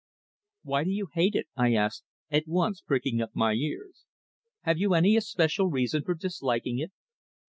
"Why do you hate it?" I asked, at once pricking up my ears. "Have you any especial reason for disliking it?"